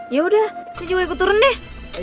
yaudah saya juga ikut turun deh